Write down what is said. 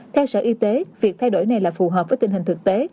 theo sở y tế việc thay đổi này là phù hợp với tình hình thực tế